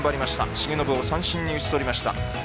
重信を三振に打ち取りました。